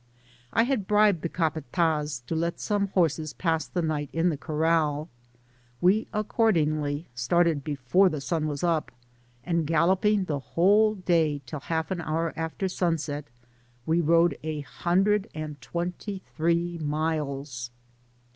I had bribed the capat&z to l^t some horses pass the night in the corrdl ; we accordingly started before the sun was up, and galloping the whole day till half an hour after sun set, we rode a hundred and twenty three miles.